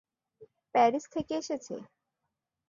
Paris থেকে এসেছে।